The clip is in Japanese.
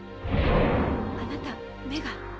あなた目が。